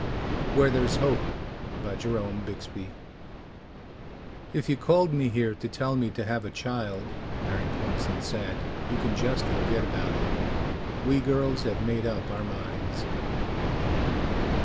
_ WHERE THERE'S HOPE By Jerome Bixby Illustrated by Kelly Freas "If you called me here to tell me to have a child," Mary Pornsen said, "you can just forget about it. We girls have made up our minds."